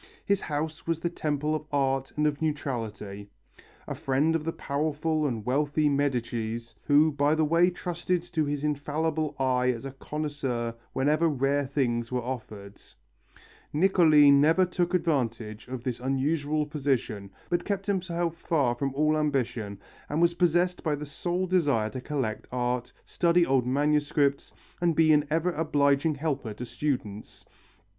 His house was the temple of art and of neutrality. A friend of the powerful and wealthy Medicis, who by the way trusted to his infallible eye as a connoisseur whenever rare things were offered, Niccoli never took advantage of this unusual position, but kept himself far from all ambition and was possessed by the sole desire to collect art, study old manuscripts, and be an ever obliging helper to students.